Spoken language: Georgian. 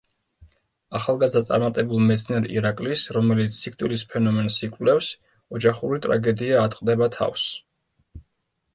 ახალგაზრდა წარმატებულ მეცნიერ ირაკლის, რომელიც სიკვდილის ფენომენს იკვლევს, ოჯახური ტრაგედია ატყდება თავს.